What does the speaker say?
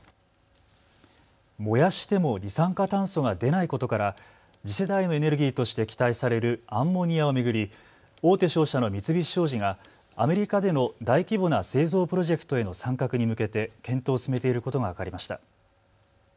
燃やしても二酸化炭素が出ないことから次世代のエネルギーとして期待されるアンモニアを巡り大手商社の三菱商事がアメリカでの大規模な製造プロジェクトへの参画に向けて検討を進めていることが分かりました。